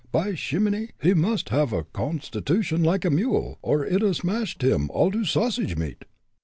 By shimminy! he must haff a gonstitution like a mule, or I'd 'a' smashed him all to sausage meat."